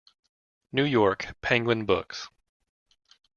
New York: Penguin Books.